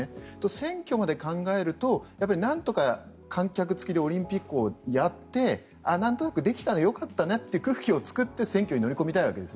選挙まで考えるとなんとか観客付きでオリンピックをやってなんとなくできてよかったねという空気を作って選挙に臨みたいわけです。